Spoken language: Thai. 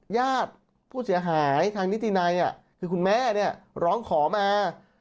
ญาติผู้เสียหายทางนิตินัยคือคุณแม่ร้องขอมา